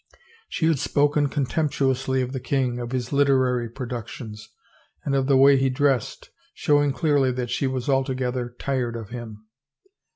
She had spoken contemptu ously of the king, of his literary productions, and of the way he dressed, showing clearly that she was altogether tired of him.